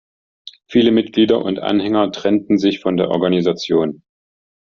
Viele Mitglieder und Anhänger trennten sich von der Organisation.